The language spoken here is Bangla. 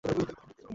দাঁড়াও, বোন।